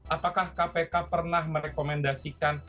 apakah kpk pernah merekomendasikan